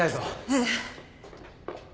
ええ。